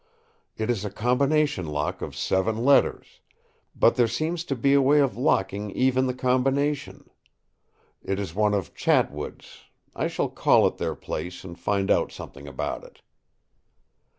It is a combination lock of seven letters; but there seems to be a way of locking even the combination. It is one of Chatwood's; I shall call at their place and find out something about it."